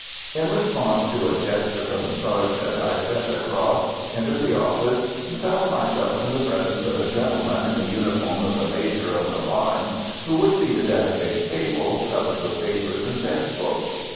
In response to a gesture from the sergeant I stepped across, entered the office, and found myself in the presence of a gentleman in the uniform of a major of the line, who was seated at a big table covered with papers and text books.